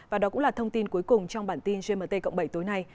và đó cũng là thông tin cuối cùng trong bản tin gmt cộng bảy tối nay